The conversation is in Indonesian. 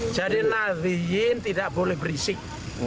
jadi naziin tidak boleh berisik